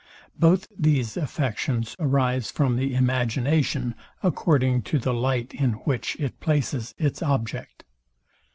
Both these affections arise from the imagination, according to the light, in which it places its object.